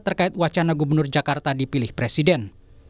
terkait wacana gubernur jakarta dipilih presiden